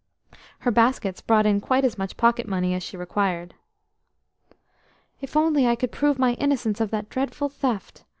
Her baskets brought in quite as much pocket money as she required. "If only I could prove my innocence of that dreadful theft!"